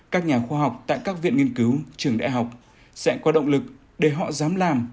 các nhà khoa học tại các viện nghiên cứu trường đại học sẽ có động lực để họ dám làm